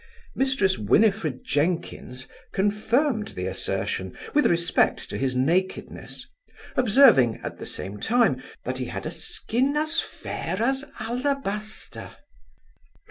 Mrs Winifred Jenkins confirmed the assertion, with respect to his nakedness, observing, at the same time, that he had a skin as fair as alabaster.